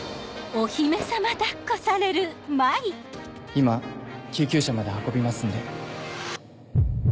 今救急車まで運びますんで。